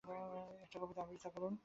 একটা কবিতা আবৃত্তি করুন।